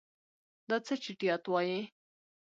دا څه چټیات وایې.